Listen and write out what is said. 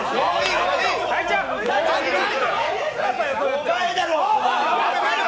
お前だろ！